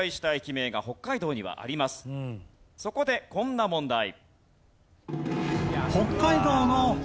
そこでこんな問題。